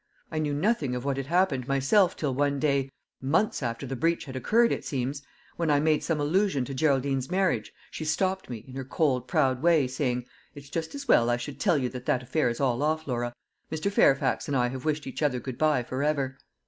I knew nothing of what had happened myself till one day months after the breach had occurred, it seems when I made some allusion to Geraldine's marriage, she stopped me, in her cold, proud way, saying, 'It's just as well I should tell you that that affair is all off, Laura. Mr. Fairfax and I have wished each other good bye for ever.'